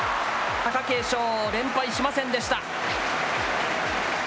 貴景勝、連敗しませんでした。